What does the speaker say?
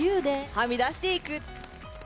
はみ出していく。